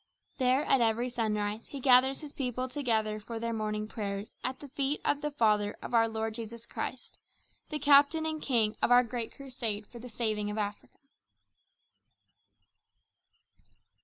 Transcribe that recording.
There at every sunrise he gathers his people together for their morning prayers at the feet of the Father of our Lord Jesus Christ, the Captain and King of our Great Crusade for the saving of Africa.